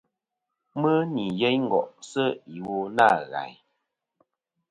Mɨ nì yeyn ngo'sɨ iwo nâ ghàyn.